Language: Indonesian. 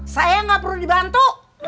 saya nggak perlu dibantu